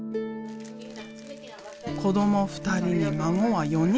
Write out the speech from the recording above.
子ども２人に孫は４人。